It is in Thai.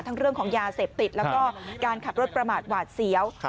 เรื่องของยาเสพติดแล้วก็การขับรถประมาทหวาดเสียว